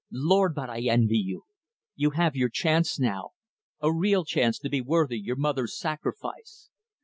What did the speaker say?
Lord, but I envy you! You have your chance now a real chance to be worthy your mother's sacrifice.